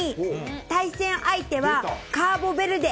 対戦相手は、カーボベルデ。